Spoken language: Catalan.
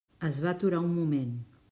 Es va aturar un moment.